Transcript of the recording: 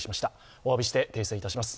おわびして訂正いたします。